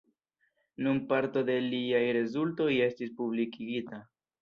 Nur parto de liaj rezultoj estis publikigita.